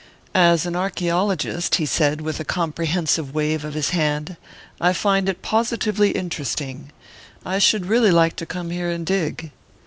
"As an archæologist," he said, with a comprehensive wave of his hand, "I find it positively interesting. I should really like to come here and dig."